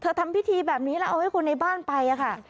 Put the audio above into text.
ทำพิธีแบบนี้แล้วเอาให้คนในบ้านไปค่ะ